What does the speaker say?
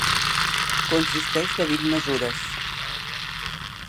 Consisteix de vint mesures.